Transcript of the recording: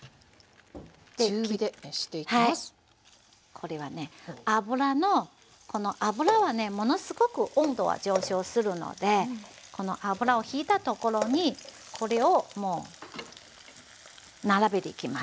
これはね油のこの油はねものすごく温度は上昇するのでこの油をひいたところにこれをもう並べていきます。